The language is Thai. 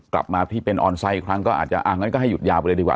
กลับมาที่เป็นออนไซต์อีกครั้งก็อาจจะอ่ะงั้นก็ให้หยุดยาวไปเลยดีกว่า